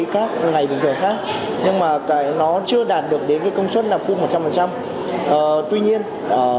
các khách sạn em là một trăm linh